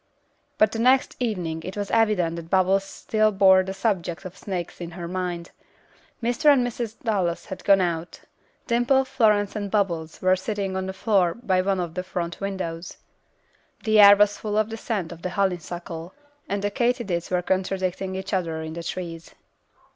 But the next evening it was evident that Bubbles still bore the subject of snakes in her mind. Mr. and Mrs. Dallas had gone out. Dimple, Florence and Bubbles were sitting on the floor by one of the front windows. The air was full of the scent of the honeysuckle, and the katydids were contradicting each other in the trees.